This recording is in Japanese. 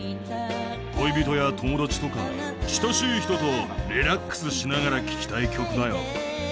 恋人や友達とか親しい人とリラックスしながら聴きたい曲だよ。